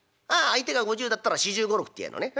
「あ相手が５０だったら４５４６って言うのね？